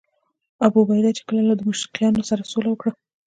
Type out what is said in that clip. ابوعبیده چې کله له دمشقیانو سره سوله وکړه.